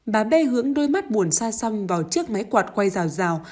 bà b hướng đôi mắt buồn xa song vào chiếc máy quạt quay rào rào